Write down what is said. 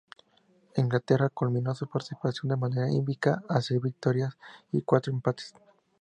Inglaterra culminó su participación de manera invicta con seis victorias y cuatro empates.